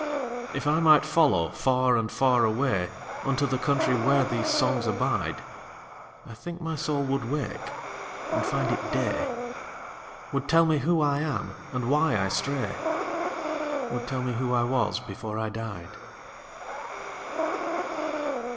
If I might follow far and far awayUnto the country where these songs abide,I think my soul would wake and find it day, Would tell me who I am, and why I stray,—Would tell me who I was before I died.